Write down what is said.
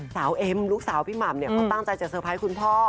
เอ็มลูกสาวพี่หม่ำเนี่ยเขาตั้งใจจะเตอร์ไพรส์คุณพ่อ